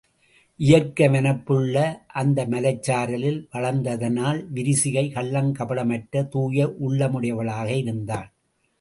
இயற்கை வனப்புள்ள அந்த மலைச் சாரலில் வளர்ந்ததனால் விரிசிகை கள்ளங் கபடமற்ற தூய உள்ளமுடையவளாக இருந்தாள்.